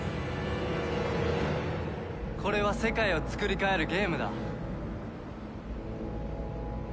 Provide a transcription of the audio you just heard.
これは世界をつくり変えるゲームだ。